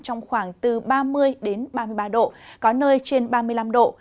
trong khoảng từ ba mươi ba mươi ba độ có nơi trên ba mươi năm độ